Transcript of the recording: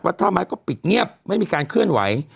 ท่าไม้ก็ปิดเงียบไม่มีการเคลื่อนไหว